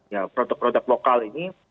ya produk produk lokal ini